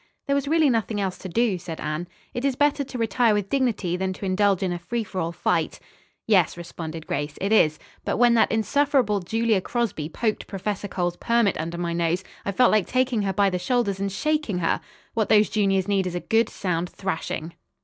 "There was really nothing else to do," said Anne. "It is better to retire with dignity than to indulge in a free for all fight." "Yes," responded Grace, "it is. But when that insufferable Julia Crosby poked Professor Cole's permit under my nose, I felt like taking her by the shoulders and shaking her. What those juniors need is a good, sound thrashing.